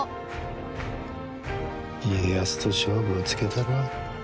家康と勝負をつけたるわ。